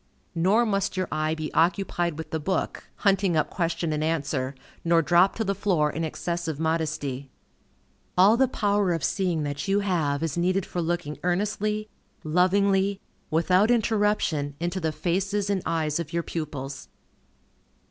Nor must your eye be occupied with the book, hunting up question and answer, nor dropped to the floor in excessive modesty. All the power of seeing that you have is needed for looking earnestly, lovingly, without interruption, into the faces and eyes of your pupils.